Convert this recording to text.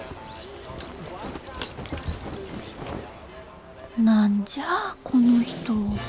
心の声何じゃあこの人？